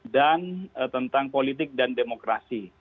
dan tentang politik dan demokrasi